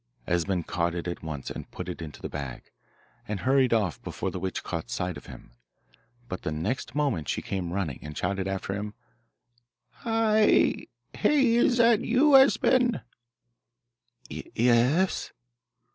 Esben caught it at once, put it into the bag, and hurried off before the witch caught sight of him; but the next moment she came running, and shouted after him, ' I Hey is that you, Esben.?' 'Ye e s!